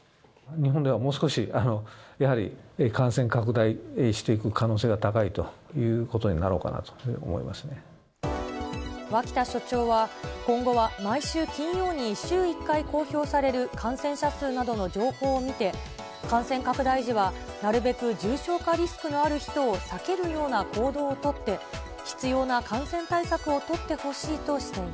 日本ではもう少し、やはり感染拡大していく可能性が高いということになろうかなと思脇田所長は、今後は毎週金曜に週１回公表される感染者数などの情報を見て、感染拡大時はなるべく重症化リスクのある人を避けるような行動をＳＯＭＰＯ当たった！